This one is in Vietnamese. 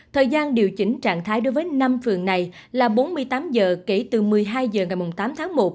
thời gian điều chỉnh trạng thái đối với năm phường này là bốn mươi tám giờ kể từ một mươi hai h ngày tám tháng một